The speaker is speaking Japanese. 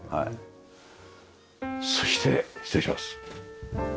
そして失礼します。